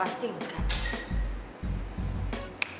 assalamualaikum tante marissa